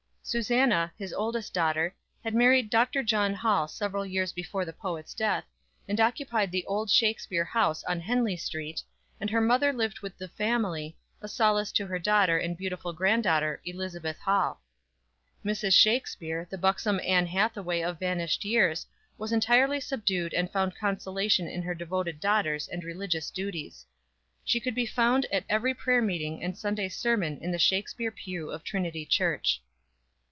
Susannah, the oldest daughter, had married Dr. John Hall several years before the poet's death, and occupied the old Shakspere house on Henley street, and her mother lived with the family, a solace to her daughter and beautiful granddaughter, Elizabeth Hall. Mrs. Shakspere, the buxom Anne Hathaway of vanished years, was entirely subdued and found consolation in her devoted daughters and religious duties. She could be found at every prayer meeting and Sunday sermon in the Shakspere pew of Trinity Church.